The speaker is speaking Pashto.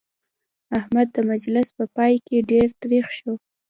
احمد د مجلس په پای کې ډېر تريخ شو.